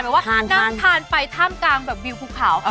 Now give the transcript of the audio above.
ว่านั่งทานไปท่ามกลางแบบวิวภูเขา